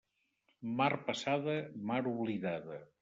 Mar passada, mar oblidada.